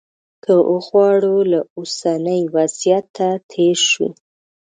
که وغواړو له اوسني وضعیته تېر شو.